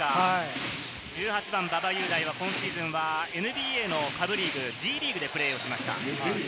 １８番・馬場雄大は今シーズンはＮＢＡの下部リーグ、Ｇリーグでプレーをしました。